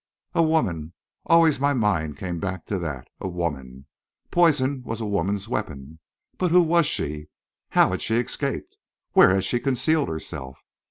A woman! Always my mind came back to that. A woman! Poison was a woman's weapon. But who was she? How had she escaped? Where had she concealed herself?